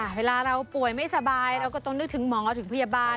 เวลาเราป่วยไม่สบายเราก็ต้องนึกถึงหมอเราถึงพยาบาล